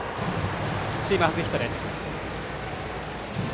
チーム初ヒットです。